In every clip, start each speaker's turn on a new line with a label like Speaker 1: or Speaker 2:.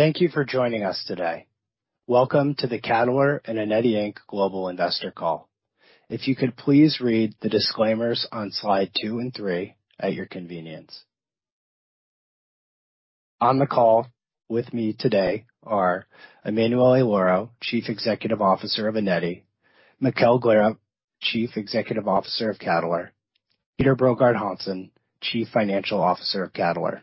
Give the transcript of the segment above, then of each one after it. Speaker 1: Thank you for joining us today. Welcome to the Cadeler and Eneti Inc. Global Investor Call. If you could please read the disclaimers on slide two and three at your convenience. On the call with me today are Emanuele Lauro, Chief Executive Officer of Eneti, Mikkel Gleerup, Chief Executive Officer of Cadeler, Peter Brogaard Hansen, Chief Financial Officer of Cadeler.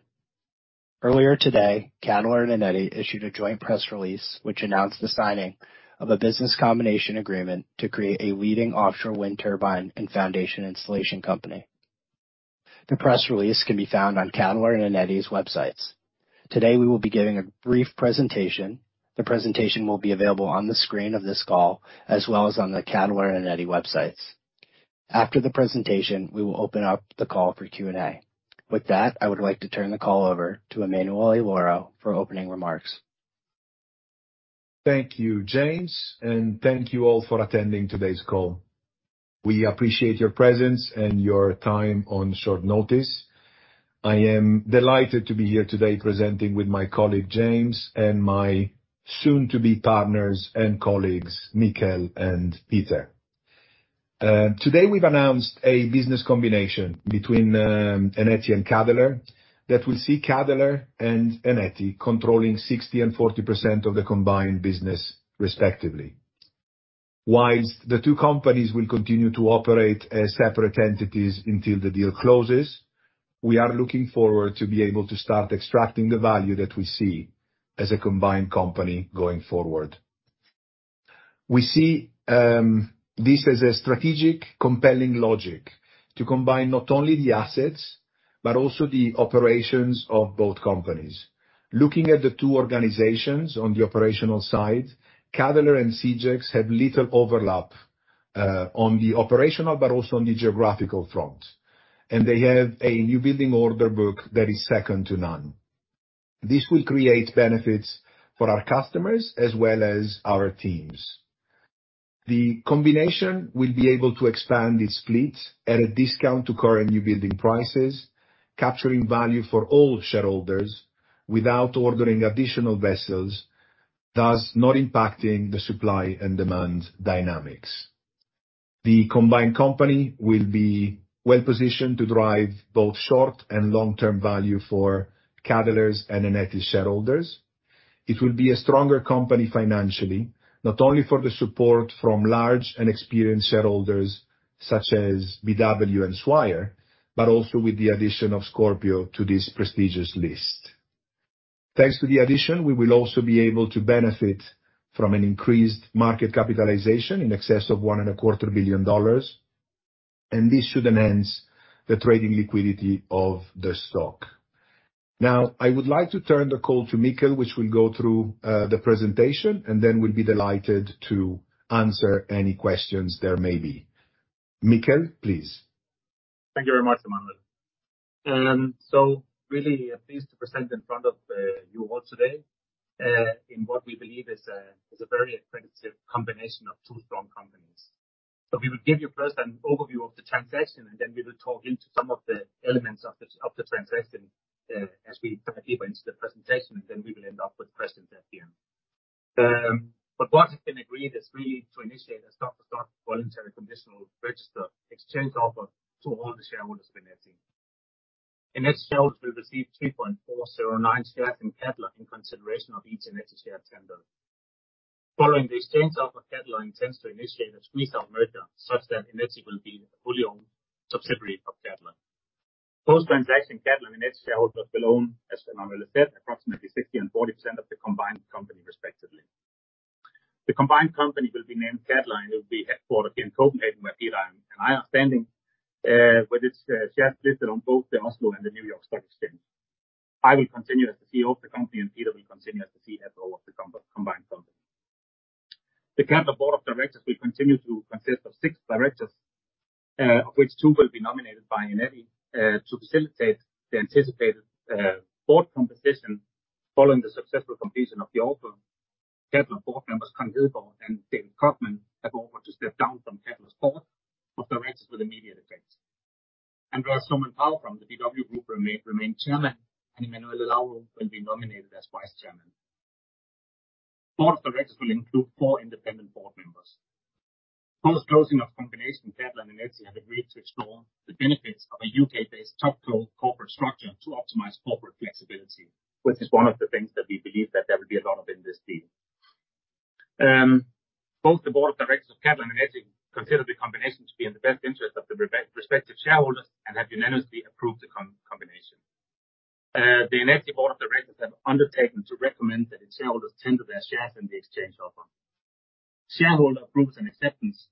Speaker 1: Earlier today, Cadeler and Eneti issued a joint press release, which announced the signing of a business combination agreement to create a leading offshore wind turbine and foundation installation company. The press release can be found on Cadeler and Eneti's websites. Today, we will be giving a brief presentation. The presentation will be available on the screen of this call, as well as on the Cadeler and Eneti websites. After the presentation, we will open up the call for Q&A. With that, I would like to turn the call over to Emanuele Lauro for opening remarks.
Speaker 2: Thank you, James. Thank you all for attending today's call. We appreciate your presence and your time on short notice. I am delighted to be here today presenting with my colleague, James, and my soon-to-be partners and colleagues, Mikkel and Peter. Today, we've announced a business combination between Eneti and Cadeler that will see Cadeler and Eneti controlling 60% and 40% of the combined business, respectively. While the two companies will continue to operate as separate entities until the deal closes, we are looking forward to be able to start extracting the value that we see as a combined company going forward. We see this as a strategic, compelling logic to combine not only the assets, but also the operations of both companies. Looking at the two organizations on the operational side, Cadeler and Seajacks have little overlap on the operational, but also on the geographical front. They have a new building order book that is second to none. This will create benefits for our customers as well as our teams. The combination will be able to expand its fleet at a discount to current new building prices, capturing value for all shareholders without ordering additional vessels, thus not impacting the supply and demand dynamics. The combined company will be well-positioned to drive both short and long-term value for Cadeler's and Eneti's shareholders. It will be a stronger company financially, not only for the support from large and experienced shareholders such as BW and Swire, but also with the addition of Scorpio to this prestigious list. Thanks to the addition, we will also be able to benefit from an increased market capitalization in excess of one and a quarter billion dollars. This should enhance the trading liquidity of the stock. I would like to turn the call to Mikkel, which will go through the presentation. We'll be delighted to answer any questions there may be. Mikkel, please.
Speaker 3: Thank you very much, Emanuele. Really pleased to present in front of you all today in what we believe is a very accredited combination of two strong companies. We will give you first an overview of the transaction, and then we will talk into some of the elements of the transaction as we dive deeper into the presentation, and then we will end up with questions at the end. What has been agreed is really to initiate a stock-to-stock voluntary, conditional, registered exchange offer to all the shareholders of Eneti. Eneti shareholders will receive 3.409 shares in Cadeler in consideration of each Eneti share tendered. Following the exchange offer, Cadeler intends to initiate a squeeze out merger, such that Eneti will be a fully owned subsidiary of Cadeler. Post-transaction, Cadeler and Eneti shareholders will own, as Emanuele said, approximately 60% and 40% of the combined company, respectively. The combined company will be named Cadeler, and it will be headquartered in Copenhagen, where Peter and I are standing, with its shares listed on both the Oslo and the New York Stock Exchange. I will continue as the CEO of the company, and Peter will continue as the CFO of the combined company. The Cadeler Board of Directors will continue to consist of six directors, of which two will be nominated by Eneti. To facilitate the anticipated board composition following the successful completion of the offer, Cadeler board members, Connie Hedegaard and David Cogman, have offered to step down from Cadeler's Board of Directors with immediate effect. Andreas Sohmen-Pao from the BW Group remain Chairman. Emanuele Lauro will be nominated as Vice Chairman. Board of Directors will include four independent board members. Post-closing of combination, Cadeler and Eneti have agreed to explore the benefits of a UK-based top-tier corporate structure to optimize corporate flexibility, which is one of the things that we believe that there will be a lot of in this deal. Both the Board of Directors of Cadeler and Eneti consider the combination to be in the best interest of the respective shareholders and have unanimously approved the combination. The Eneti Board of Directors have undertaken to recommend that its shareholders tender their shares in the exchange offer. Shareholder approves and acceptance,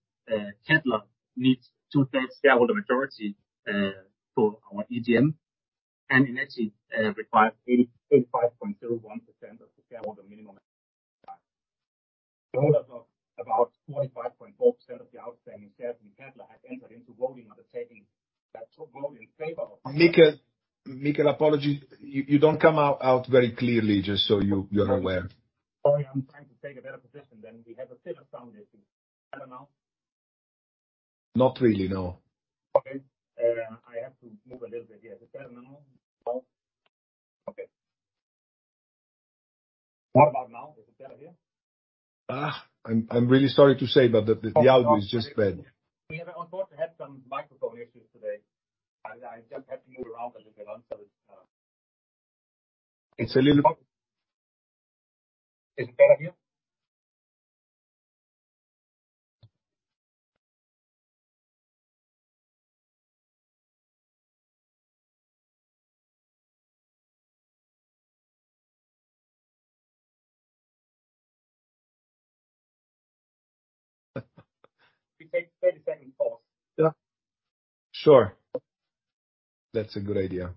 Speaker 3: Cadeler needs two-thirds shareholder majority for our EGM. Eneti requires 88.501% of the shareholder minimum. About 45.4% of the outstanding shares in Cadeler has entered into voting, undertaking that to vote in favor of.
Speaker 2: Mikkel, apologies. You don't come out very clearly, just so you're aware.
Speaker 3: Sorry, I'm trying to take a better position then. We have a bit of sound issues. I don't know.
Speaker 2: Not really, no.
Speaker 3: Okay, I have to move a little bit here. Is it better now? No. Okay. What about now? Is it better here?
Speaker 2: I'm really sorry to say, the audio is just bad.
Speaker 3: We have on board had some microphone issues today. I just have to move around a little bit until it's.
Speaker 2: It's a little.
Speaker 3: It's better here? We take a 30-second pause.
Speaker 2: Yeah. Sure. That's a good idea.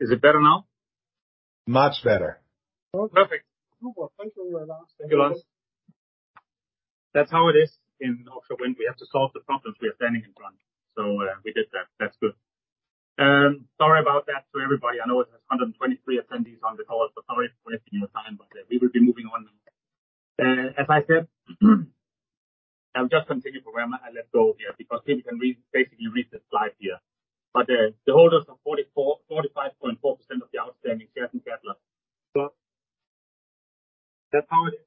Speaker 3: Is it better now?
Speaker 2: Much better.
Speaker 3: Perfect. Thank you, Lars. Thank you, Lars. That's how it is in offshore wind. We have to solve the problems we are standing in front, we did that. That's good. Sorry about that to everybody. I know it has 123 attendees on the call, sorry for wasting your time, we will be moving on now. As I said, I'll just continue from where I left off here we can read the slide here. The holders of 45.4% of the outstanding shares in Cadeler. That's how it is.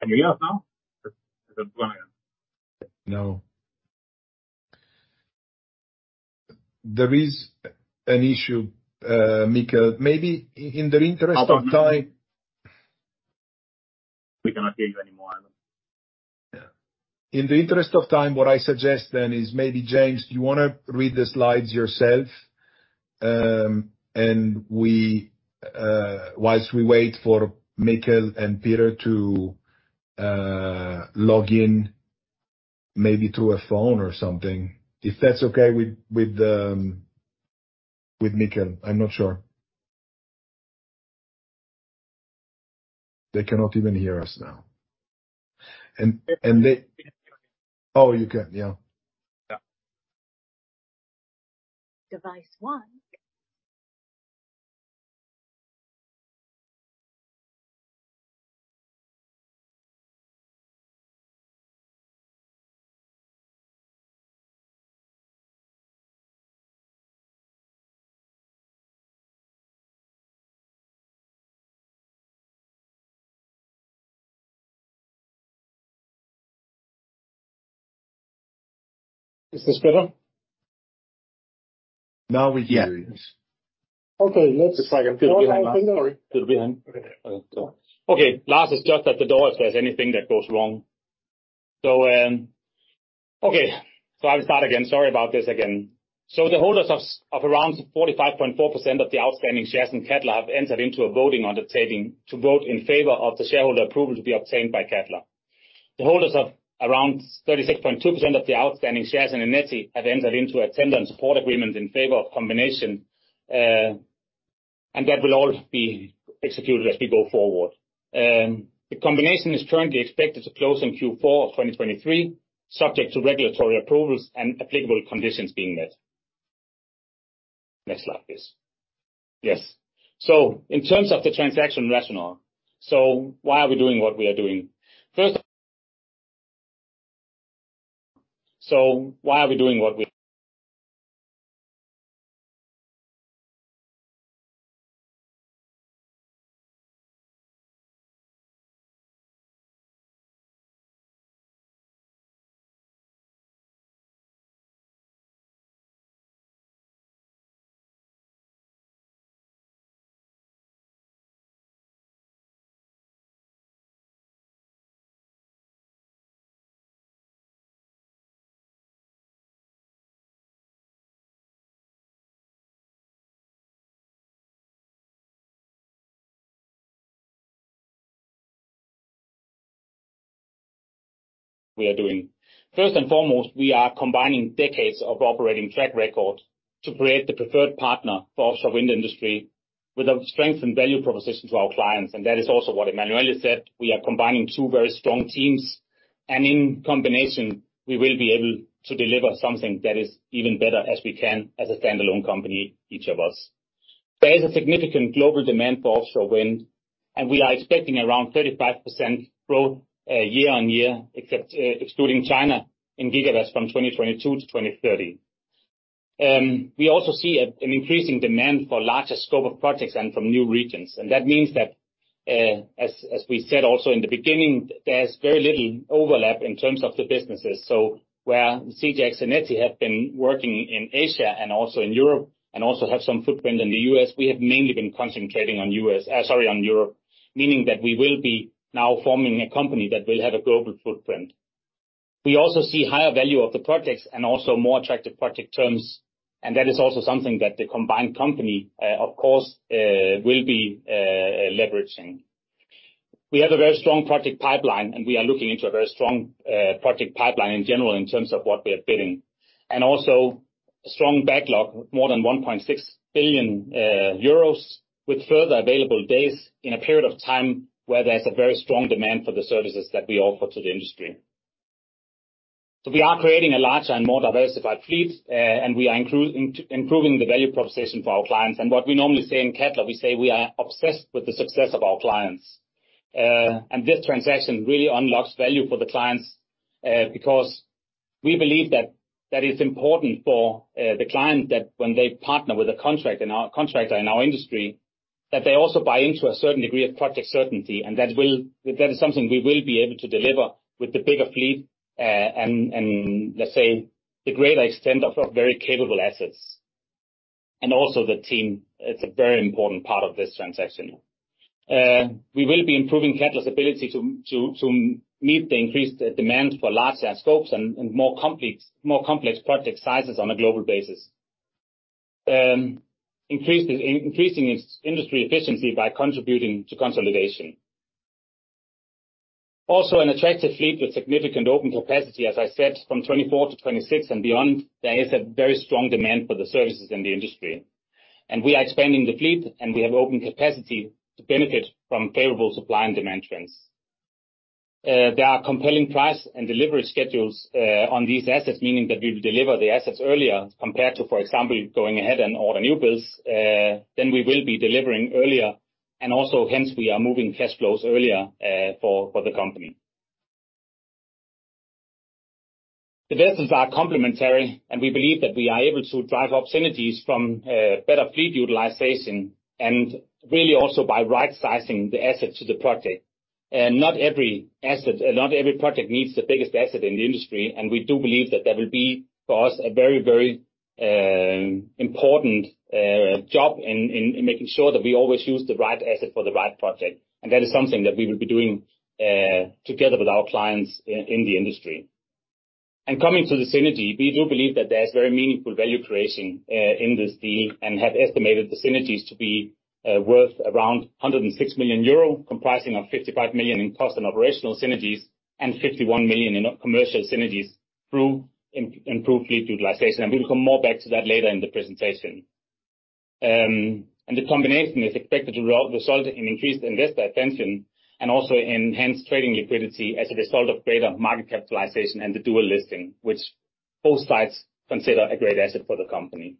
Speaker 3: Can you hear us now?
Speaker 2: No. There is an issue, Mikkel. Maybe in the interest of time...
Speaker 3: We cannot hear you anymore.
Speaker 2: Yeah. In the interest of time, what I suggest then is maybe, James, do you want to read the slides yourself? We while we wait for Mikkel and Peter to log in, maybe through a phone or something, if that's okay with Mikkel, I'm not sure. They cannot even hear us now.
Speaker 3: We can hear you.
Speaker 2: Oh, you can. Yeah.
Speaker 3: Yeah. Is this better?
Speaker 2: Now we hear you. Okay, Sorry.
Speaker 3: Okay. Lars is just at the door if there's anything that goes wrong. I will start again. Sorry about this again. The holders of around 45.4% of the outstanding shares in Cadeler have entered into a voting undertaking to vote in favor of the shareholder approval to be obtained by Cadeler. The holders of around 36.2% of the outstanding shares in Eneti have entered into attendance support agreement in favor of combination, and that will all be executed as we go forward. The combination is currently expected to close in Q4 of 2023, subject to regulatory approvals and applicable conditions being met. Next slide, please. Yes. In terms of the transaction rationale, why are we doing what we are doing? First, we are doing. First and foremost, we are combining decades of operating track record to create the preferred partner for offshore wind industry with a strength and value proposition to our clients, and that is also what Emmanuel said. We are combining two very strong teams, and in combination, we will be able to deliver something that is even better as we can as a standalone company, each of us. There is a significant global demand for offshore wind, and we are expecting around 35% growth year on year, except, excluding China, in gigawatts from 2022 to 2030. We also see an increasing demand for larger scope of projects and from new regions. That means that, as we said also in the beginning, there's very little overlap in terms of the businesses. Where Seajacks and Eneti have been working in Asia and also in Europe, also have some footprint in the US, we have mainly been concentrating on US, sorry, on Europe, meaning that we will be now forming a company that will have a global footprint. We also see higher value of the projects and also more attractive project terms, and that is also something that the combined company, of course, will be leveraging. We have a very strong project pipeline, and we are looking into a very strong project pipeline in general in terms of what we are bidding, and also strong backlog, more than 1.6 billion euros, with further available days in a period of time where there's a very strong demand for the services that we offer to the industry. We are creating a larger and more diversified fleet, and we are improving the value proposition for our clients. What we normally say in Cadeler, we say we are obsessed with the success of our clients. This transaction really unlocks value for the clients, because we believe that that is important for the client, that when they partner with a contractor in our industry, that they also buy into a certain degree of project certainty, and that is something we will be able to deliver with the bigger fleet, and let's say, the greater extent of our very capable assets. Also the team, it's a very important part of this transaction. We will be improving Cadeler's ability to meet the increased demand for larger scopes and more complex, more complex project sizes on a global basis. Increasing its industry efficiency by contributing to consolidation. Also, an attractive fleet with significant open capacity, as I said, from 2024 to 2026 and beyond, there is a very strong demand for the services in the industry. We are expanding the fleet, and we have open capacity to benefit from favorable supply and demand trends. There are compelling price and delivery schedules on these assets, meaning that we will deliver the assets earlier, compared to, for example, going ahead and order new builds, then we will be delivering earlier, and also, hence, we are moving cash flows earlier for the company. The vessels are complementary, and we believe that we are able to drive opportunities from better fleet utilization and really also by right-sizing the asset to the project. Not every asset, not every project needs the biggest asset in the industry, and we do believe that that will be, for us, a very, very important job in making sure that we always use the right asset for the right project. That is something that we will be doing together with our clients in the industry. Coming to the synergy, we do believe that there's very meaningful value creation in this deal, and have estimated the synergies to be worth around 106 million euro, comprising of 55 million in cost and operational synergies and 51 million in commercial synergies through improved fleet utilization. We will come more back to that later in the presentation. The combination is expected to result in increased investor attention and also enhanced trading liquidity as a result of greater market capitalization and the dual listing, which both sides consider a great asset for the company.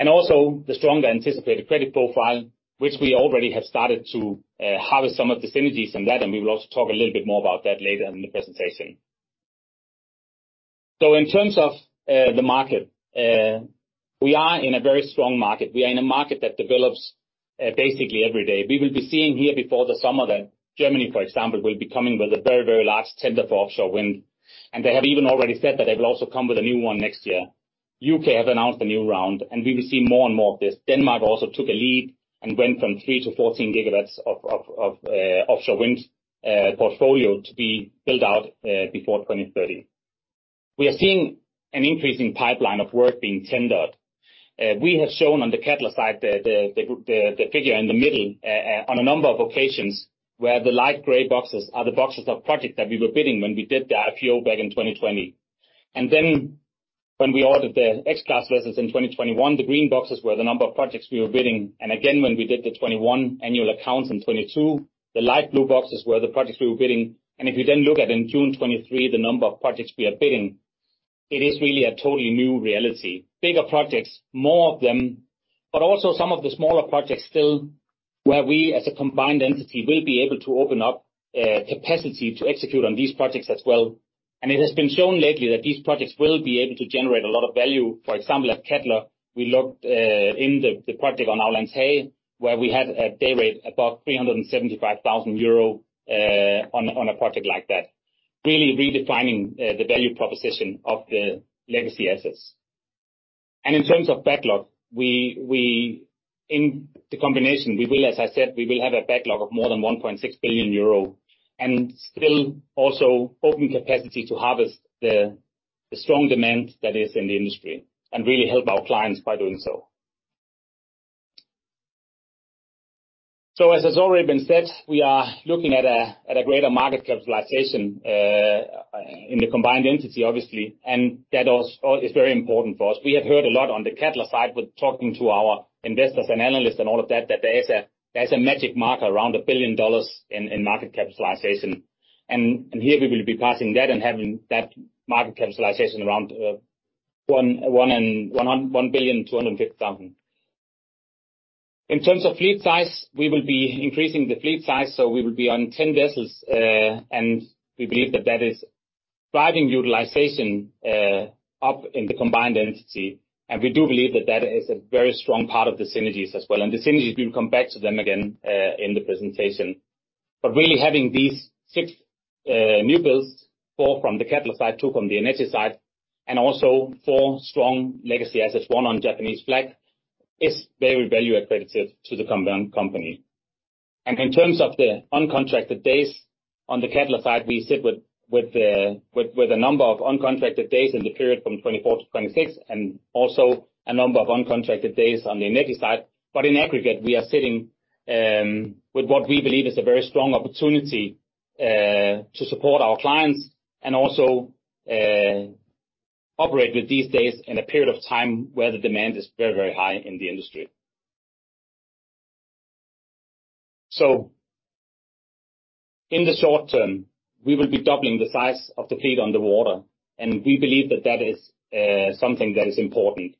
Speaker 3: Also, the stronger anticipated credit profile, which we already have started to harvest some of the synergies from that, and we will also talk a little bit more about that later in the presentation. In terms of the market, we are in a very strong market. We are in a market that develops basically every day. We will be seeing here before the summer that Germany, for example, will be coming with a very large tender for offshore wind, and they have even already said that they will also come with a new one next year. UK have announced a new round, and we will see more and more of this. Denmark also took a lead and went from 3-14 gigawatts of offshore wind portfolio to be built out before 2030. We are seeing an increasing pipeline of work being tendered. We have shown on the Cadeler side, the figure in the middle, on a number of occasions, where the light gray boxes are the boxes of projects that we were bidding when we did the IPO back in 2020. When we ordered the X-class vessels in 2021, the green boxes were the number of projects we were bidding. Again, when we did the 21 annual accounts in 22, the light blue boxes were the projects we were bidding. If you then look at in June 23, the number of projects we are bidding, it is really a totally new reality. Bigger projects, more of them, but also some of the smaller projects still, where we, as a combined entity, will be able to open up capacity to execute on these projects as well. It has been shown lately that these projects will be able to generate a lot of value. For example, at Cadeler, we looked in the project on Hollandse Kust, where we had a day rate above 375,000 euro on a project like that, really redefining the value proposition of the legacy assets. In terms of backlog, we, in the combination, we will, as I said, have a backlog of more than 1.6 billion euro, and still also open capacity to harvest the strong demand that is in the industry, and really help our clients by doing so. As has already been said, we are looking at a greater market capitalization in the combined entity, obviously, and that also is very important for us. We have heard a lot on the Cadeler side with talking to our investors and analysts and all of that there's a magic mark around $1 billion in market capitalization. Here we will be passing that and having that market capitalization around $1,000,250. In terms of fleet size, we will be increasing the fleet size, so we will be on 10 vessels, and we believe that that is driving utilization up in the combined entity. We do believe that that is a very strong part of the synergies as well. The synergies, we will come back to them again in the presentation. Really, having these six new builds, four from the Cadeler side, two from the Eneti side, and also four strong legacy assets, one on Japanese flag, is very value accredited to the combined company. In terms of the uncontracted days, on the Cadeler side, we sit with a number of uncontracted days in the period from 2024 to 2026, and also a number of uncontracted days on the Eneti side. In aggregate, we are sitting with what we believe is a very strong opportunity to support our clients, and also operate with these days in a period of time where the demand is very, very high in the industry. In the short term, we will be doubling the size of the fleet on the water, and we believe that that is something that is important.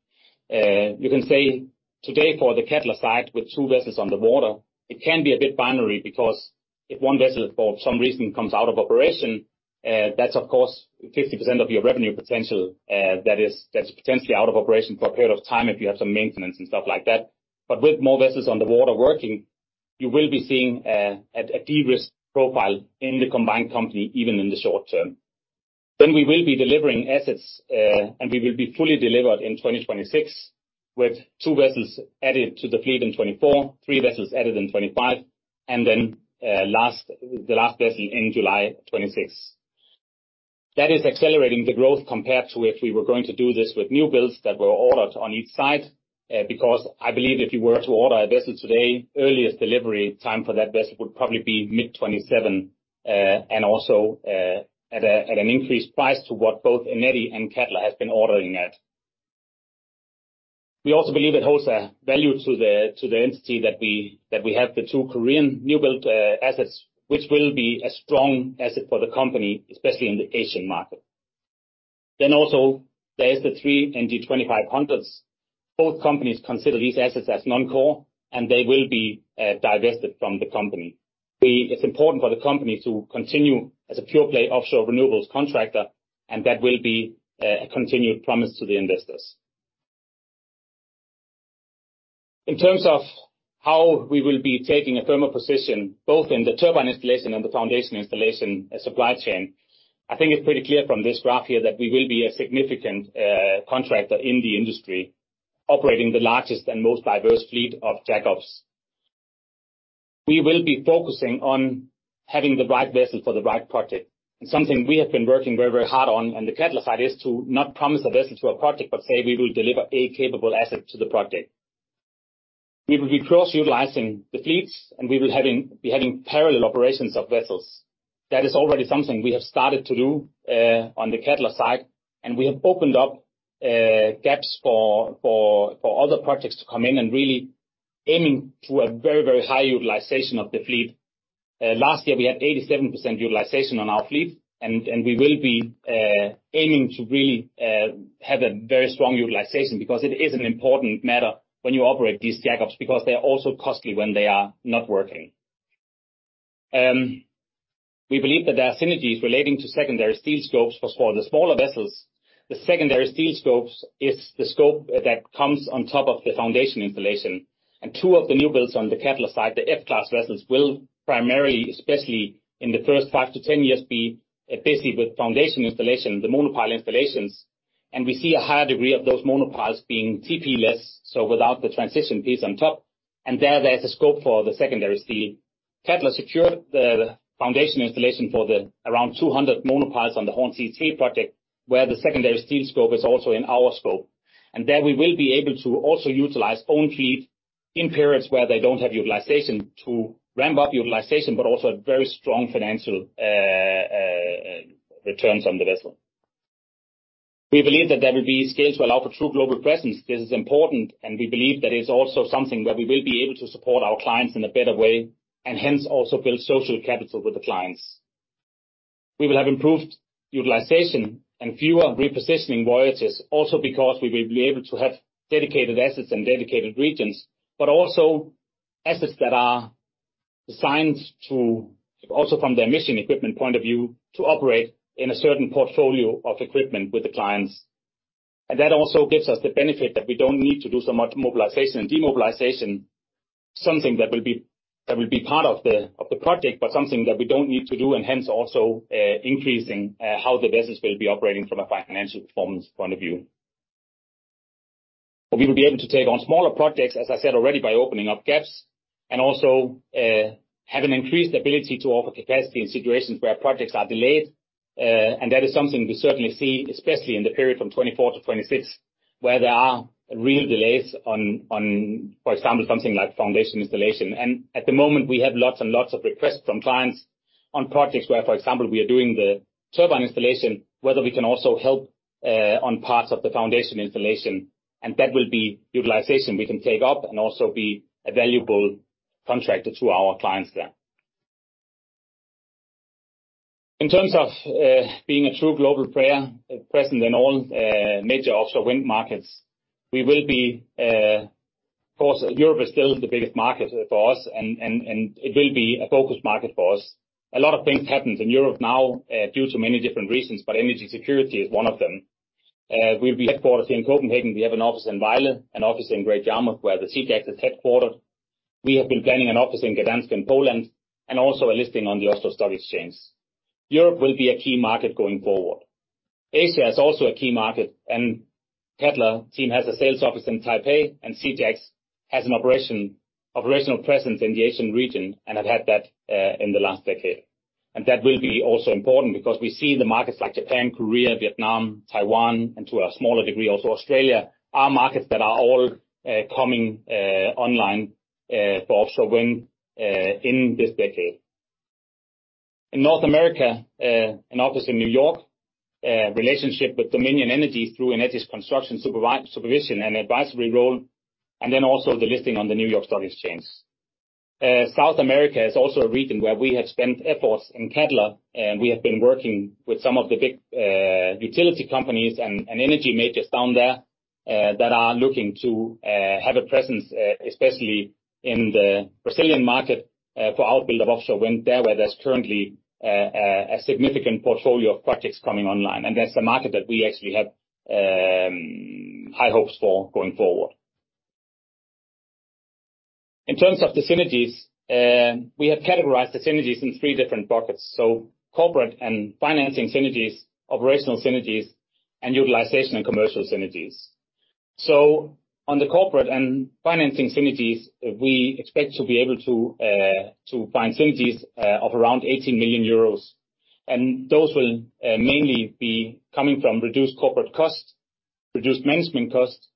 Speaker 3: You can say today for the Cadeler side, with two vessels on the water, it can be a bit binary, because if one vessel, for some reason, comes out of operation, that's of course, 50% of your revenue potential, that's potentially out of operation for a period of time if you have some maintenance and stuff like that. With more vessels on the water working, you will be seeing a de-risk profile in the combined company, even in the short term. We will be delivering assets, and we will be fully delivered in 2026, with two vessels added to the fleet in 2024, three vessels added in 2025, and then, the last vessel in July 2026. That is accelerating the growth compared to if we were going to do this with new builds that were ordered on each side, because I believe if you were to order a vessel today, earliest delivery time for that vessel would probably be mid-2027. Also, at an increased price to what both Eneti and Cadeler has been ordering at. We also believe it holds a value to the entity that we have the two Korean new build assets, which will be a strong asset for the company, especially in the Asian market. Also, there's the three NG-2500X. Both companies consider these assets as non-core, and they will be divested from the company. It's important for the company to continue as a pure play offshore renewables contractor, and that will be a continued promise to the investors. In terms of how we will be taking a firmer position, both in the turbine installation and the foundation installation and supply chain, I think it's pretty clear from this graph here that we will be a significant contractor in the industry, operating the largest and most diverse fleet of jack-ups. We will be focusing on having the right vessel for the right project. Something we have been working very, very hard on the Cadeler side, is to not promise a vessel to a project, but say, we will deliver a capable asset to the project. We will be cross-utilizing the fleets, and we will be having parallel operations of vessels. That is already something we have started to do on the Cadeler side, and we have opened up gaps for other projects to come in and really aiming to a very, very high utilization of the fleet. Last year, we had 87% utilization on our fleet, and we will be aiming to really have a very strong utilization, because it is an important matter when you operate these jack-ups, because they are also costly when they are not working. We believe that there are synergies relating to secondary steel scopes for the smaller vessels. The secondary steel scopes is the scope that comes on top of the foundation installation. Two of the new builds on the Cadeler side, the F-class vessels, will primarily, especially in the first 5-10 years, be basically with foundation installation, the monopile installations. We see a higher degree of those monopiles being TP-less, so without the transition piece on top, and there there's a scope for the secondary steel. Cadeler secured the foundation installation for the around 200 monopiles on the Hornsea project, where the secondary steel scope is also in our scope. There, we will be able to also utilize own fleet in periods where they don't have utilization to ramp up utilization, but also a very strong financial returns on the vessel. We believe that there will be scale to allow for true global presence. This is important. We believe that it's also something where we will be able to support our clients in a better way, and hence, also build social capital with the clients. We will have improved utilization and fewer repositioning voyages, also because we will be able to have dedicated assets in dedicated regions, but also assets that are designed to, also from their mission equipment point of view, to operate in a certain portfolio of equipment with the clients. That also gives us the benefit that we don't need to do so much mobilization and demobilization, something that will be part of the project, but something that we don't need to do, and hence also increasing how the business will be operating from a financial performance point of view. We will be able to take on smaller projects, as I said already, by opening up gaps, and also, have an increased ability to offer capacity in situations where projects are delayed. That is something we certainly see, especially in the period from 2024 to 2026, where there are real delays on, for example, something like foundation installation. At the moment, we have lots and lots of requests from clients on projects where, for example, we are doing the turbine installation, whether we can also help, on parts of the foundation installation. That will be utilization we can take up and also be a valuable contractor to our clients there. In terms of being a true global player, present in all major offshore wind markets, we will be, of course, Europe is still the biggest market for us, and it will be a focused market for us. A lot of things happens in Europe now, due to many different reasons, but energy security is one of them. We'll be headquartered here in Copenhagen. We have an office in Vejle, an office in Great Yarmouth, where the Seajacks is headquartered. We have been planning an office in Gdansk, in Poland, and also a listing on the Oslo Stock Exchange. Europe will be a key market going forward. Asia is also a key market, and Cadeler team has a sales office in Taipei, and Seajacks has an operational presence in the Asian region and have had that in the last decade. That will be also important because we see the markets like Japan, Korea, Vietnam, Taiwan, and to a smaller degree, also Australia, are markets that are all coming online for offshore wind in this decade. In North America, an office in New York, relationship with Dominion Energy through Eneti's construction supervision and advisory role, also the listing on the New York Stock Exchange. South America is also a region where we have spent efforts in Keppe, we have been working with some of the big utility companies and energy majors down there that are looking to have a presence especially in the Brazilian market for outbuild of offshore wind there, where there's currently a significant portfolio of projects coming online. That's the market that we actually have high hopes for going forward. In terms of the synergies, we have categorized the synergies in three different buckets: corporate and financing synergies, operational synergies, and utilization and commercial synergies. On the corporate and financing synergies, we expect to be able to find synergies of around 80 million euros, and those will mainly be coming from reduced corporate costs, reduced management costs,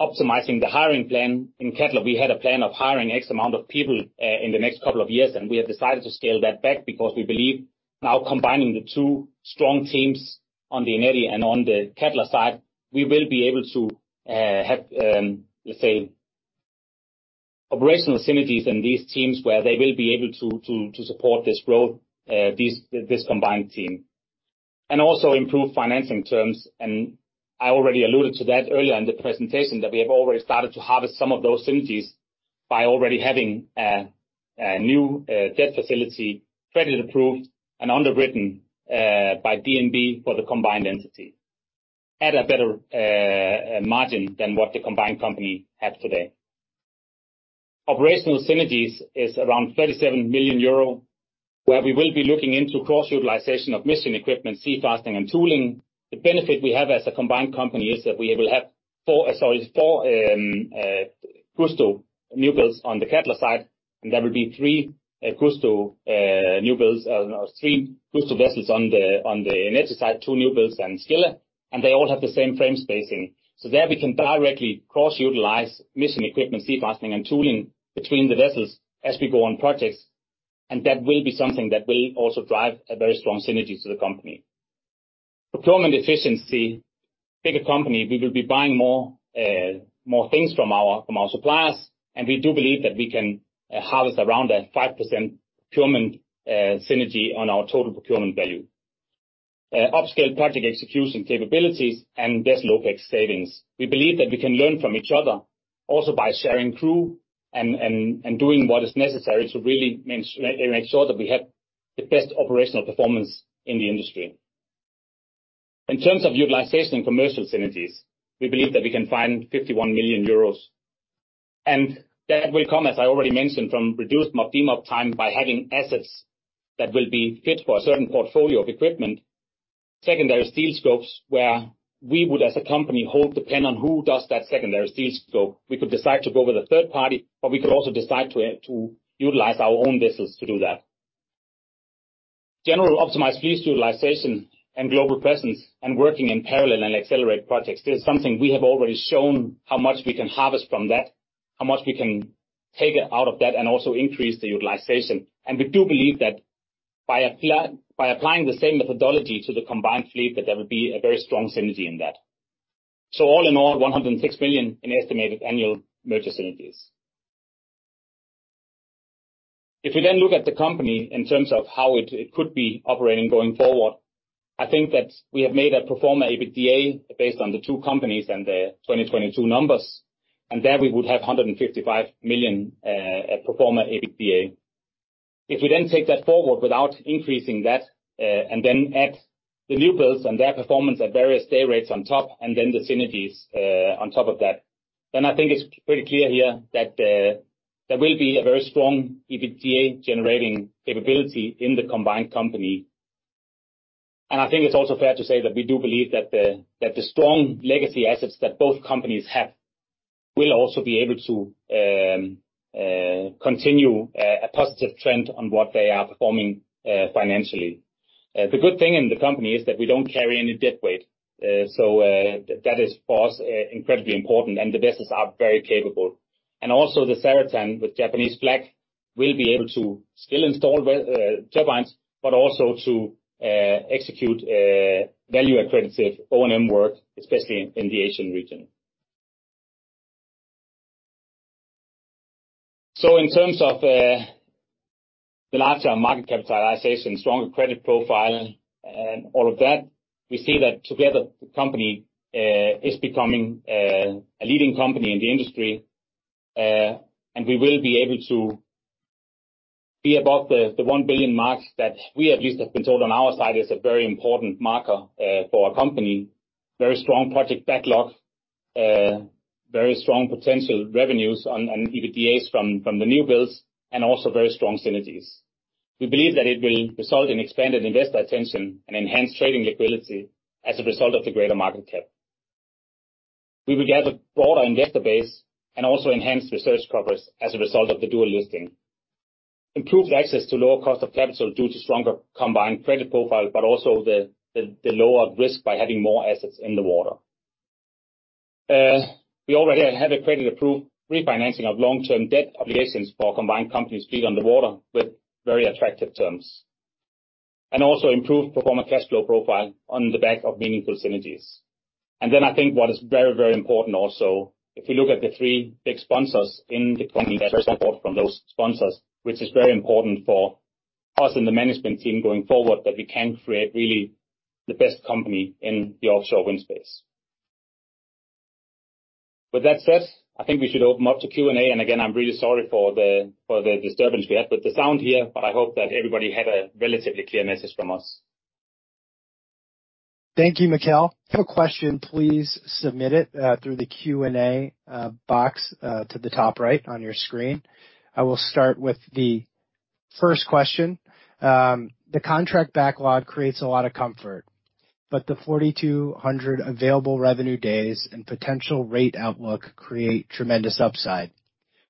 Speaker 3: optimizing the hiring plan. In Cadeler, we had a plan of hiring X amount of people in the next couple of years, and we have decided to scale that back because we believe now combining the two strong teams on the Eneti and on the Cadeler side, we will be able to have, let's say, operational synergies in these teams, where they will be able to support this growth, this combined team. Also improve financing terms, and I already alluded to that earlier in the presentation, that we have already started to harvest some of those synergies by already having a new debt facility credit approved and underwritten by DNB for the combined entity at a better margin than what the combined company had today. Operational synergies is around 37 million euro, where we will be looking into cross-utilization of mission equipment, sea fastening and tooling. The benefit we have as a combined company is that we will have four GustoMSC new builds on the Cadeler side, and there will be three GustoMSC new builds or three GustoMSC vessels on the Eneti side, two new builds and Seajacks Scylla, and they all have the same frame spacing. There we can directly cross-utilize mission equipment, sea fastening and tooling between the vessels as we go on projects, and that will be something that will also drive a very strong synergy to the company. Procurement efficiency. Bigger company, we will be buying more, more things from our, from our suppliers. We do believe that we can harvest around a 5% procurement synergy on our total procurement value. Upscale project execution capabilities and vessel OpEx savings. We believe that we can learn from each other also by sharing crew and doing what is necessary to really make sure that we have the best operational performance in the industry. In terms of utilization and commercial synergies, we believe that we can find 51 million euros. That will come, as I already mentioned, from reduced mob, demob time by having assets that will be fit for a certain portfolio of equipment. Secondary steel scopes, where we would, as a company, hold depend on who does that secondary steel scope. We could decide to go with a third party, but we could also decide to utilize our own vessels to do that. General optimized fleet utilization and global presence and working in parallel and accelerate projects. This is something we have already shown how much we can harvest from that, how much we can take out of that, and also increase the utilization. We do believe that by applying the same methodology to the combined fleet, that there will be a very strong synergy in that. All in all, $106 million in estimated annual merger synergies. You then look at the company in terms of how it could be operating going forward, I think that we have made a pro forma EBITDA, based on the two companies and the 2022 numbers, there we would have $155 million pro forma EBITDA. We then take that forward without increasing that and then add the new builds and their performance at various day rates on top, and then the synergies on top of that, then I think it's pretty clear here that there will be a very strong EBITDA-generating capability in the combined company. I think it's also fair to say that we do believe that the strong legacy assets that both companies have will also be able to continue a positive trend on what they are performing financially. The good thing in the company is that we don't carry any debt weight. That is, for us, incredibly important, and the vessels are very capable. Also, the Seajacks Zaratan with Japanese flag, will be able to still install turbines, but also to execute value accredited O&M work, especially in the Asian region. In terms of the larger market capitalization, stronger credit profile and all of that, we see that together, the company is becoming a leading company in the industry. We will be able to be above the $1 billion marks that we, at least, have been told on our side, is a very important marker for our company. Very strong project backlog, very strong potential revenues on EBITDA from the new builds, and also very strong synergies. We believe that it will result in expanded investor attention and enhanced trading liquidity as a result of the greater market cap. We will gather broader investor base and also enhanced research coverage as a result of the dual listing. Improved access to lower cost of capital due to stronger combined credit profile, but also the lower risk by having more assets in the water. We already have a credit-approved refinancing of long-term debt obligations for combined companies feet on the water with very attractive terms, and also improved performance cash flow profile on the back of meaningful synergies. Then I think what is very, very important also, if you look at the three big sponsors in the company, support from those sponsors, which is very important for us and the management team going forward, that we can create really the best company in the offshore wind space. With that said, I think we should open up to Q&A. Again, I'm really sorry for the disturbance we had with the sound here, but I hope that everybody had a relatively clear message from us.
Speaker 1: Thank you, Mikkel. If you have a question, please submit it through the Q&A box to the top right on your screen. I will start with the first question. The contract backlog creates a lot of comfort. The 4,200 available revenue days and potential rate outlook create tremendous upside.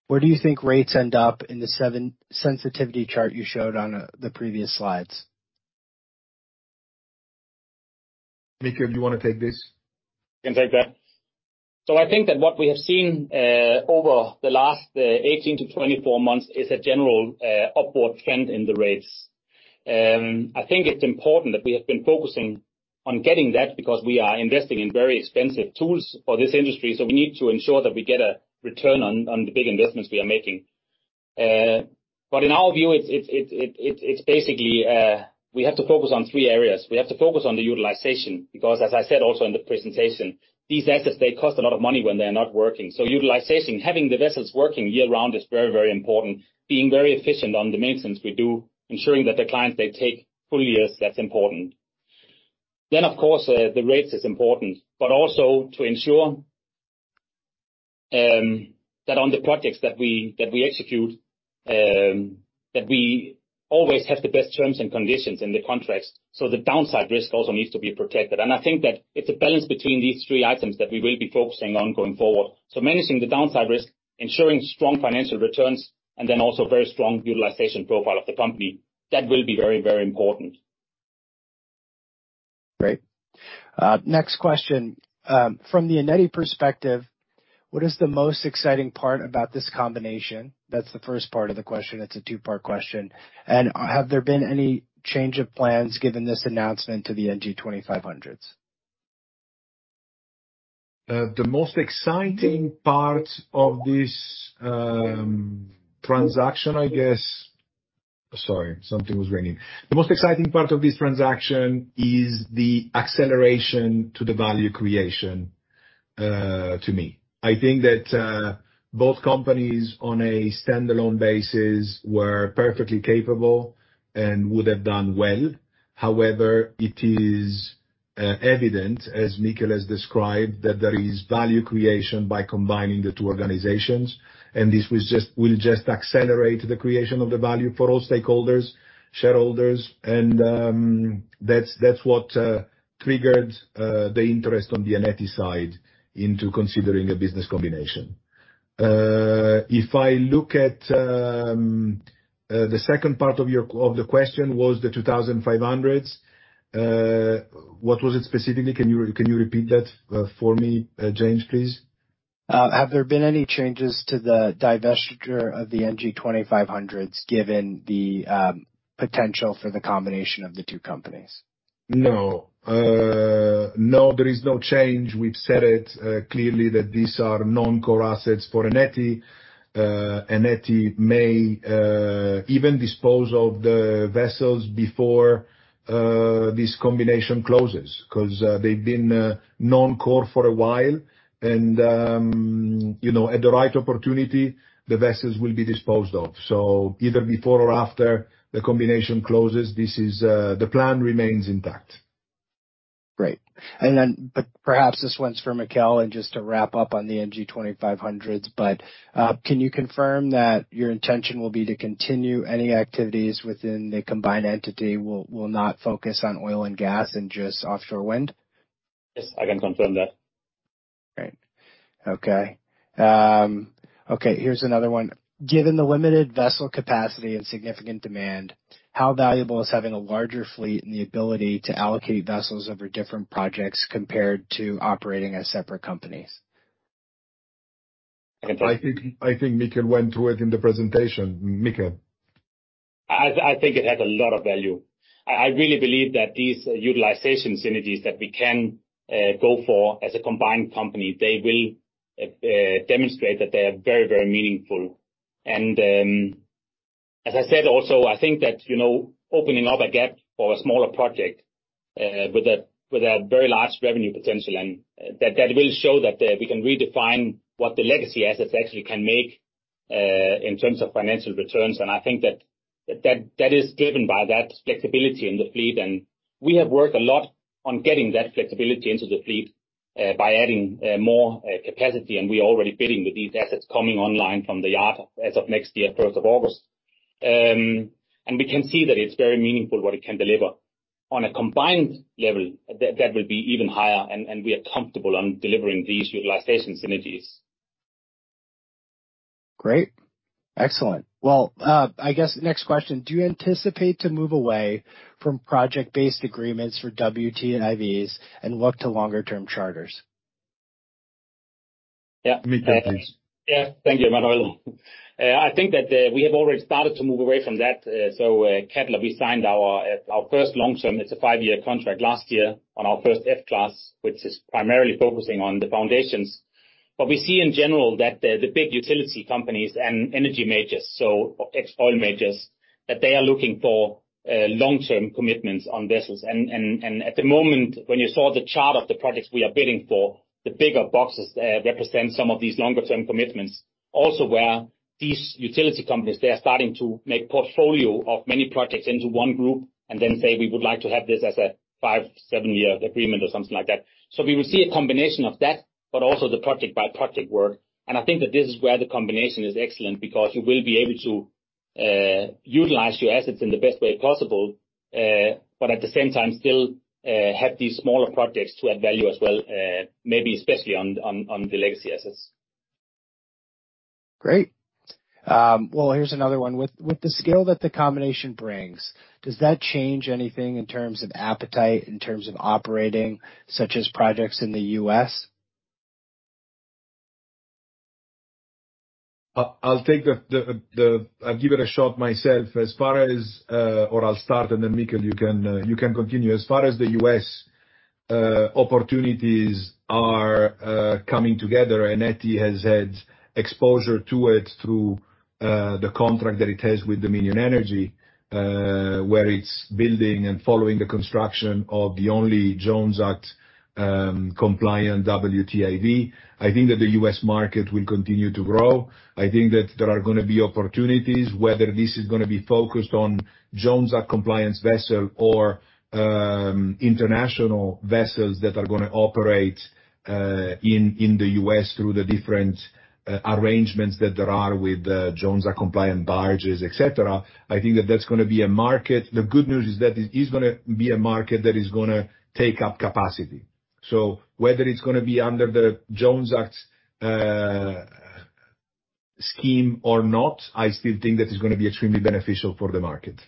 Speaker 1: Where do you think rates end up in the seven sensitivity chart you showed on the previous slides?
Speaker 2: Mikkel, do you want to take this?
Speaker 3: Can take that. I think that what we have seen over the last 18-24 months, is a general upward trend in the rates. I think it's important that we have been focusing on getting that, because we are investing in very expensive tools for this industry, so we need to ensure that we get a return on the big investments we are making. But in our view, it's basically, we have to focus on three areas. We have to focus on the utilization, because as I said, also in the presentation, these assets, they cost a lot of money when they're not working. Utilization, having the vessels working year-round is very important. Being very efficient on the maintenance we do, ensuring that the clients, they take full years, that's important. Of course, the rates is important, but also to ensure that on the projects that we execute, that we always have the best terms and conditions in the contracts, so the downside risk also needs to be protected. I think that it's a balance between these three items that we will be focusing on going forward. Managing the downside risk, ensuring strong financial returns, and then also very strong utilization profile of the company, that will be very, very important.
Speaker 1: Great. Next question. From the Eneti perspective, what is the most exciting part about this combination? That's the first part of the question. It's a two-part question. Have there been any change of plans given this announcement to the NG-2500s?
Speaker 2: The most exciting part of this transaction, I guess. Sorry, something was ringing. The most exciting part of this transaction is the acceleration to the value creation to me. I think that both companies, on a standalone basis, were perfectly capable and would have done well. It is evident, as Mikkel has described, that there is value creation by combining the two organizations, and this will just accelerate the creation of the value for all stakeholders, shareholders, and that's what triggered the interest on the Eneti side into considering a business combination. If I look at the second part of the question, was the 2,500s, what was it specifically? Can you repeat that for me, James, please?
Speaker 1: Have there been any changes to the divestiture of the NG-2500s, given the potential for the combination of the two companies?
Speaker 2: No, there is no change. We've said it clearly that these are non-core assets for Eneti. Eneti may even dispose of the vessels before this combination closes, 'cause they've been non-core for a while, and, you know, at the right opportunity, the vessels will be disposed of. Either before or after the combination closes, the plan remains intact.
Speaker 1: Great. Perhaps this one's for Mikkel, and just to wrap up on the NG-2500X, can you confirm that your intention will be to continue any activities within the combined entity will not focus on oil and gas and just offshore wind?
Speaker 3: Yes, I can confirm that.
Speaker 1: Great. Okay. Okay, here's another one. Given the limited vessel capacity and significant demand, how valuable is having a larger fleet and the ability to allocate vessels over different projects compared to operating as separate companies?
Speaker 2: I think Mikkel went through it in the presentation. Mikkel?
Speaker 3: I think it has a lot of value. I really believe that these utilization synergies that we can go for as a combined company, they will demonstrate that they are very, very meaningful. As I said, also, I think that, you know, opening up a gap for a smaller project, with a very large revenue potential, and that will show that we can redefine what the legacy assets actually can make in terms of financial returns. I think that is given by that flexibility in the fleet, and we have worked a lot on getting that flexibility into the fleet by adding more capacity, and we are already bidding with these assets coming online from the yard as of next year, first of August. We can see that it's very meaningful what it can deliver. On a combined level, that will be even higher, and we are comfortable on delivering these utilization synergies.
Speaker 1: Great. Excellent. Well, I guess next question. Do you anticipate to move away from project-based agreements for WTIVs and look to longer term charters?
Speaker 3: Yeah.
Speaker 2: Mikkel, please.
Speaker 3: Thank you, Emanuele. I think that we have already started to move away from that. Cadeler, we signed our first long-term, it's a 5-year contract, last year on our first F-class, which is primarily focusing on the foundations. We see in general that the big utility companies and energy majors, so ex-oil majors, that they are looking for long-term commitments on vessels. At the moment, when you saw the chart of the projects we are bidding for, the bigger boxes represent some of these longer term commitments. Also, where these utility companies, they are starting to make portfolio of many projects into one group and then say, we would like to have this as a five, seven-year agreement, or something like that. We will see a combination of that, but also the project-by-project work. I think that this is where the combination is excellent because you will be able to utilize your assets in the best way possible, but at the same time still have these smaller projects to add value as well, maybe especially on the legacy assets.
Speaker 1: Great. Here's another one. With the scale that the combination brings, does that change anything in terms of appetite, in terms of operating, such as projects in the US?
Speaker 2: I'll give it a shot myself. As far as, or I'll start, and then, Mikel, you can continue. As far as the US opportunities are coming together, Eneti has had exposure to it through the contract that it has with Dominion Energy, where it's building and following the construction of the only Jones Act compliant WTIV. I think that the US market will continue to grow. I think that there are gonna be opportunities, whether this is gonna be focused on Jones Act compliance vessel or international vessels that are gonna operate in the US through the different arrangements that there are with the Jones Act compliant barges, et cetera. I think that that's gonna be a market. The good news is that it is gonna be a market that is gonna take up capacity. Whether it's gonna be under the Jones Act scheme or not, I still think that it's gonna be extremely beneficial for the market.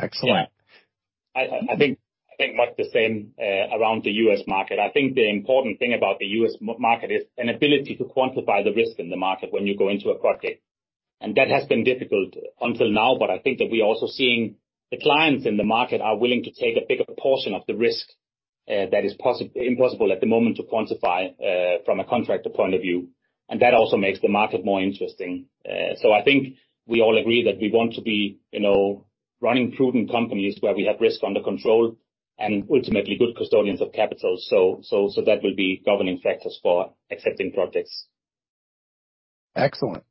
Speaker 1: Excellent.
Speaker 3: Yeah. I think much the same around the US market. I think the important thing about the US market is an ability to quantify the risk in the market when you go into a project, and that has been difficult until now. I think that we're also seeing the clients in the market are willing to take a bigger portion of the risk that is impossible at the moment to quantify from a contractor point of view, and that also makes the market more interesting. I think we all agree that we want to be, you know, running prudent companies, where we have risk under control and ultimately good custodians of capital, so that will be governing factors for accepting projects.
Speaker 1: Excellent.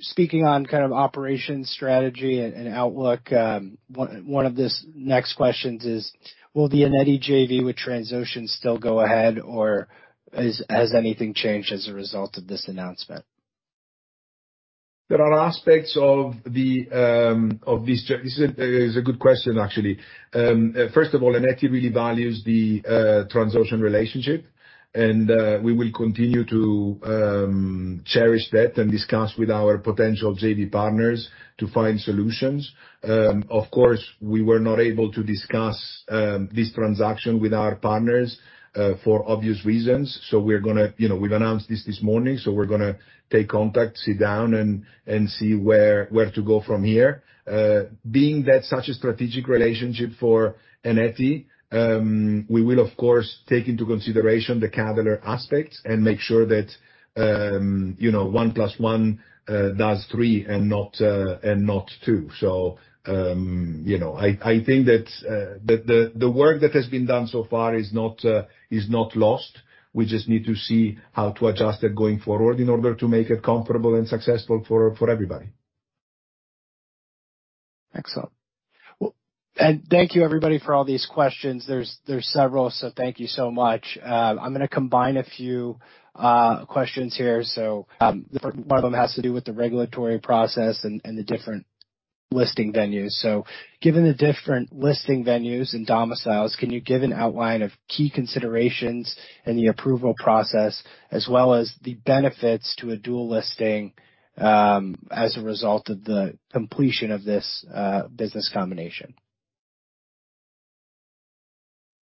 Speaker 1: Speaking on kind of operation strategy and outlook, one of this next questions is, will the Eneti JV with Transocean still go ahead, or has anything changed as a result of this announcement?
Speaker 2: This is a good question, actually. First of all, Eneti really values the Transocean relationship, and we will continue to cherish that and discuss with our potential JV partners to find solutions. Of course, we were not able to discuss this transaction with our partners for obvious reasons. We're gonna, you know, we've announced this this morning, so we're gonna take contact, sit down, and see where to go from here. Being that such a strategic relationship for Eneti, we will, of course, take into consideration the CapEx aspects and make sure that, you know, one plus one does three and not two. You know, I think that the work that has been done so far is not lost. We just need to see how to adjust it going forward in order to make it comfortable and successful for everybody.
Speaker 1: Excellent. Well, thank you, everybody, for all these questions. There's several, so thank you so much. I'm gonna combine a few questions here. The first one of them has to do with the regulatory process and the different listing venues. Given the different listing venues and domiciles, can you give an outline of key considerations in the approval process, as well as the benefits to a dual listing as a result of the completion of this business combination?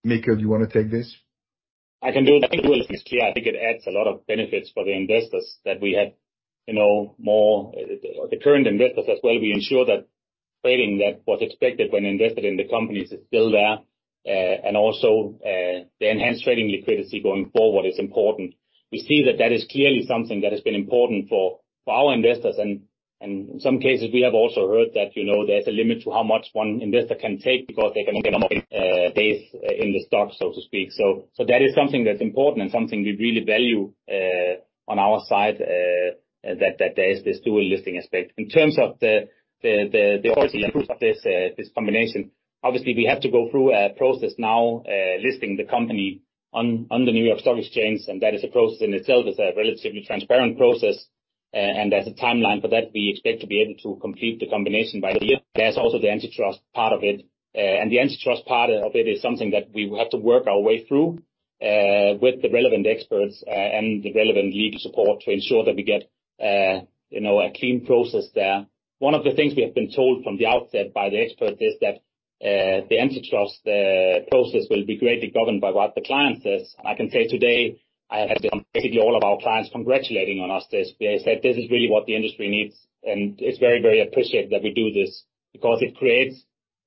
Speaker 2: Mikkel, do you wanna take this?
Speaker 3: I can do it. I think it is clear, I think it adds a lot of benefits for the investors that we had, you know, more, the current investors as well. We ensure that trading that was expected when invested in the companies is still there, and also, the enhanced trading liquidity going forward is important. We see that that is clearly something that has been important for our investors, and in some cases, we have also heard that, you know, there's a limit to how much one investor can take because they can only base in the stock, so to speak. That is something that's important and something we really value on our side that there is this dual listing aspect. In terms of the of this combination, obviously we have to go through a process now, listing the company on the New York Stock Exchange. That is a process in itself. It's a relatively transparent process, and there's a timeline for that. We expect to be able to complete the combination by the year. There's also the antitrust part of it. The antitrust part of it is something that we will have to work our way through with the relevant experts and the relevant legal support to ensure that we get, you know, a clean process there. One of the things we have been told from the outset by the experts is that the antitrust process will be greatly governed by what the client says. I can say today, I have basically all of our clients congratulating on us this. They said, this is really what the industry needs, and it's very appreciated that we do this because it creates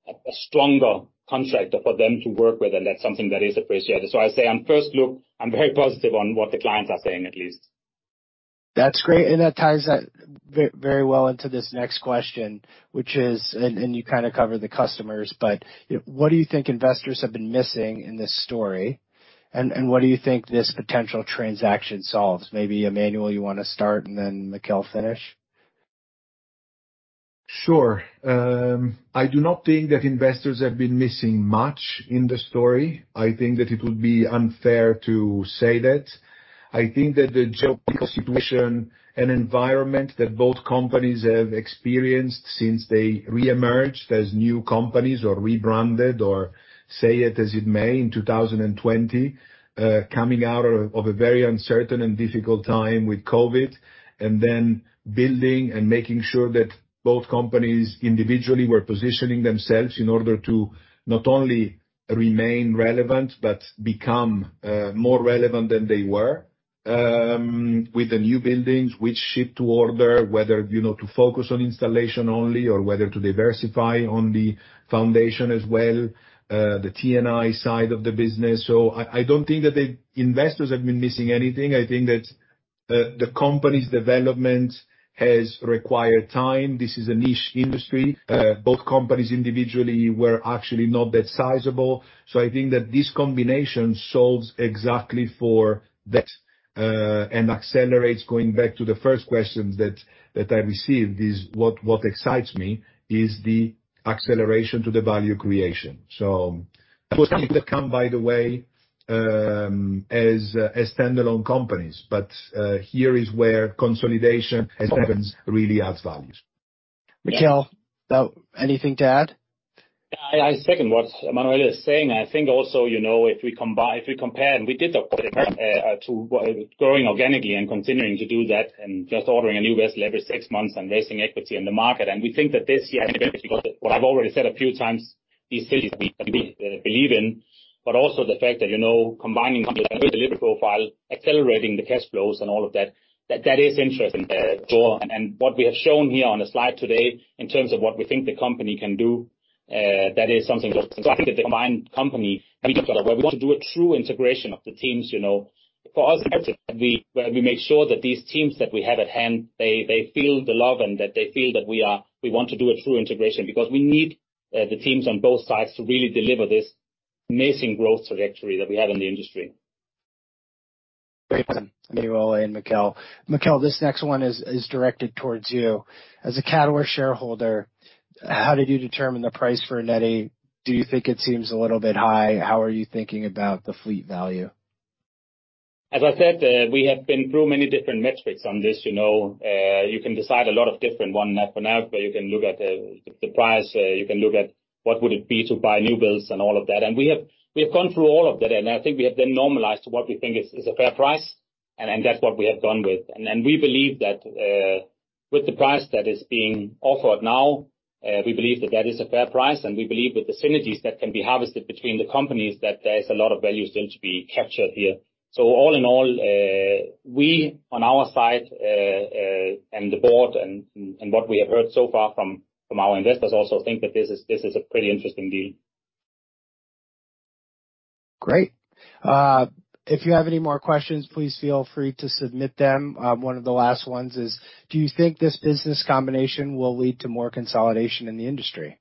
Speaker 3: a stronger contract for them to work with, and that's something that is appreciated. I say on first look, I'm very positive on what the clients are saying, at least.
Speaker 1: That's great, and that ties that very well into this next question, which is. You kind of covered the customers, what do you think investors have been missing in this story? What do you think this potential transaction solves? Maybe, Emanuele, you want to start and then Mikel finish.
Speaker 2: Sure. I do not think that investors have been missing much in the story. I think that it would be unfair to say that. I think that the geopolitical situation and environment that both companies have experienced since they reemerged as new companies or rebranded or, say it as it may, in 2020, coming out of a very uncertain and difficult time with COVID, and then building and making sure that both companies individually were positioning themselves in order to not only remain relevant but become more relevant than they were, with the new buildings, which ship to order, whether, you know, to focus on installation only or whether to diversify on the foundation as well, the T&I side of the business. I don't think that the investors have been missing anything. I think that the company's development has required time. This is a niche industry. Both companies individually were actually not that sizable. I think that this combination solves exactly for that, and accelerates, going back to the first question that I received, is what excites me is the acceleration to the value creation. People have come, by the way, as standalone companies, but here is where consolidation happens, really adds values.
Speaker 1: Mikkel, anything to add?
Speaker 3: Yeah, I second what Emanuele is saying. I think also, you know, if we compare, and we did, to growing organically and continuing to do that and just ordering a new vessel every six months and raising equity in the market, and we think that this year, what I've already said a few times, these cities we believe in, but also the fact that, you know, combining company delivery profile, accelerating the cash flows and all of that is interesting. What we have shown here on the slide today in terms of what we think the company can do, that is something. I think the combined company, we want to do a true integration of the teams, you know. For us, we make sure that these teams that we have at hand, they feel the love and that they feel that we want to do a true integration because we need the teams on both sides to really deliver this amazing growth trajectory that we have in the industry.
Speaker 1: Great, Emanuele and Mikkel. Mikkel, this next one is directed towards you. As a Cadeler shareholder, how did you determine the price for Eneti? Do you think it seems a little bit high? How are you thinking about the fleet value?
Speaker 3: As I said, we have been through many different metrics on this, you know. You can decide a lot of different one for now, but you can look at the price, you can look at what would it be to buy new builds and all of that. We have gone through all of that, and I think we have then normalized what we think is a fair price, and that's what we have gone with. We believe that with the price that is being offered now, we believe that that is a fair price, and we believe with the synergies that can be harvested between the companies, that there is a lot of value still to be captured here. All in all, we, on our side, and the board and what we have heard so far from our investors, also think that this is a pretty interesting deal.
Speaker 1: Great. If you have any more questions, please feel free to submit them. One of the last ones is, do you think this business combination will lead to more consolidation in the industry?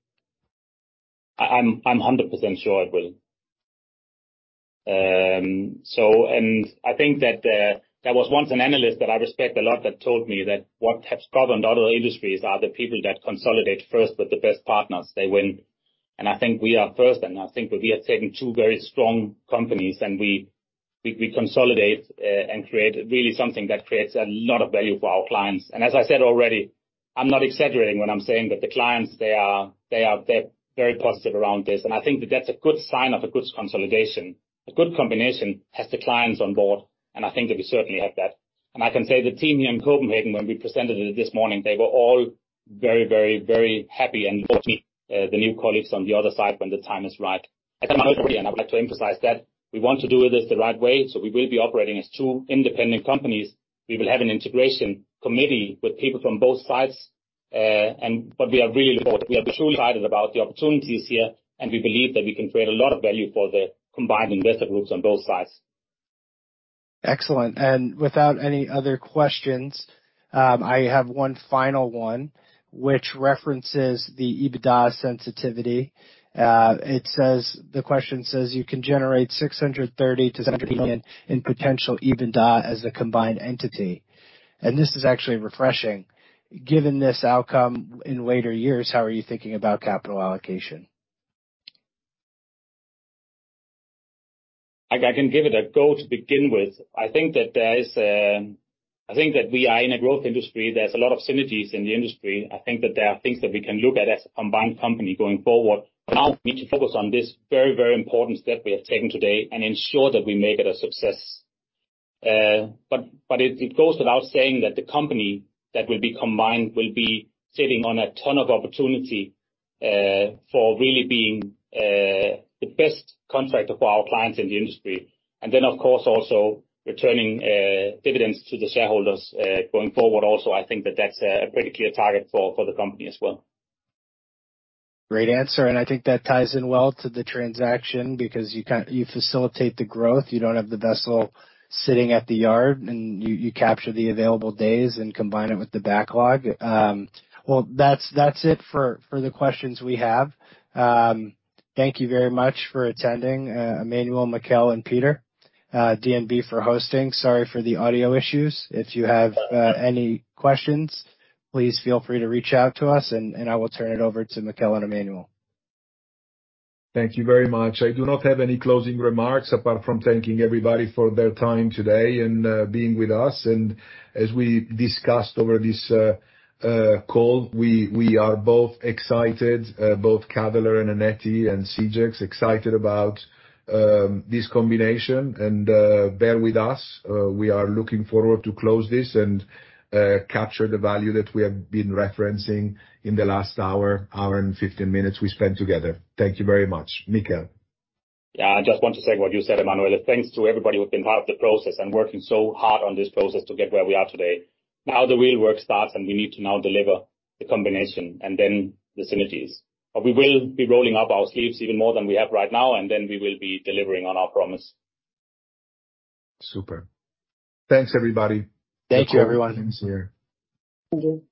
Speaker 3: I'm 100% sure it will. I think that there was once an analyst that I respect a lot, that told me that what has troubled other industries are the people that consolidate first, with the best partners, they win. I think we are first, and I think that we have taken two very strong companies, and we consolidate and create really something that creates a lot of value for our clients. As I said already, I'm not exaggerating when I'm saying that the clients, they're very positive around this, and I think that that's a good sign of a good consolidation. A good combination has the clients on board, and I think that we certainly have that. I can say the team here in Copenhagen, when we presented it this morning, they were all very, very, very happy and look to meet the new colleagues on the other side when the time is right. As I mentioned, I'd like to emphasize that, we want to do this the right way, we will be operating as two independent companies. We will have an integration committee with people from both sides, we are truly excited about the opportunities here, and we believe that we can create a lot of value for the combined investor groups on both sides.
Speaker 1: Excellent. Without any other questions, I have one final one, which references the EBITDA sensitivity. The question says, you can generate $630 billion-$7 billion in potential EBITDA as a combined entity, and this is actually refreshing. Given this outcome in later years, how are you thinking about capital allocation?
Speaker 3: I can give it a go to begin with. I think that there is, I think that we are in a growth industry. There's a lot of synergies in the industry. I think that there are things that we can look at as a combined company going forward. Now, we need to focus on this very, very important step we have taken today and ensure that we make it a success. It goes without saying that the company that will be combined will be sitting on a ton of opportunity, for really being the best contractor for our clients in the industry. Of course, also returning dividends to the shareholders, going forward also, I think that that's a pretty clear target for the company as well.
Speaker 1: Great answer, I think that ties in well to the transaction because you facilitate the growth. You don't have the vessel sitting at the yard, and you capture the available days and combine it with the backlog. Well, that's it for the questions we have. Thank you very much for attending, Emanuele, Mikkel, and Peter. DNB for hosting. Sorry for the audio issues. If you have any questions, please feel free to reach out to us, and I will turn it over to Mikkel and Emanuele.
Speaker 2: Thank you very much. I do not have any closing remarks, apart from thanking everybody for their time today and being with us. As we discussed over this call, we are both excited, both Cadeler and Eneti and Seajacks, excited about this combination. Bear with us. We are looking forward to close this and capture the value that we have been referencing in the last hour and 15 minutes we spent together. Thank you very much. Mikkel?
Speaker 3: I just want to say what you said, Emanuele. Thanks to everybody who's been part of the process and working so hard on this process to get where we are today. The real work starts, and we need to now deliver the combination and then the synergies. We will be rolling up our sleeves even more than we have right now, and then we will be delivering on our promise.
Speaker 2: Super. Thanks, everybody.
Speaker 1: Thank you, everyone.
Speaker 2: Thanks again.
Speaker 3: Thank you.